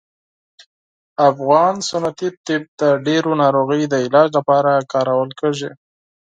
افغان سنتي طب د ډیرو ناروغیو د علاج لپاره کارول کیږي